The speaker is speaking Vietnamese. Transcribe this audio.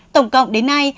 tổng cộng đến nay